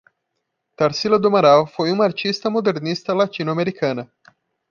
Tarsila do Amaral foi uma artista modernista latino-americana